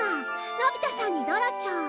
のび太さんにドラちゃん。